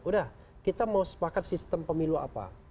udah kita mau sepakat sistem pemilu apa